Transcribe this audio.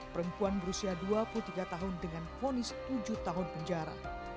perempuan berusia dua puluh tiga tahun dengan fonis tujuh tahun penjara